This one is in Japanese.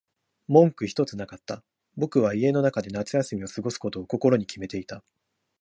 文句ひとつなかった。僕は家の中で夏休みを過ごすことを心に決めていた。